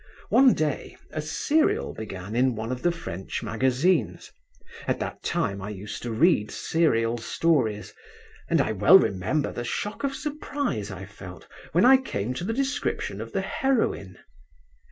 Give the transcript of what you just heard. One day a serial began in one of the French magazines. At that time I used to read serial stories, and I well remember the shock of surprise I felt when I came to the description of the heroine.